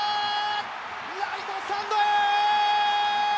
ライトスタンドへ！